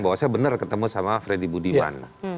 bahwa saya benar ketemu sama freddy budiman